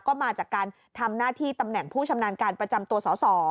ก็มาจากการทำหน้าที่ตำแหน่งผู้ชำนาญการประจำตัวสอสอ